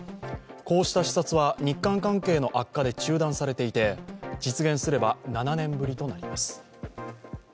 こうした視察は日韓関係の悪化で中断されていて実現すれば７年ぶりとなります。